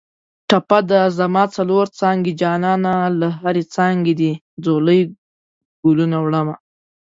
ټپه ده: زما څلور څانګې جانانه له هرې څانګې دې ځولۍ ګلونه وړمه